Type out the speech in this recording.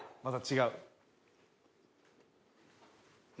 また違う？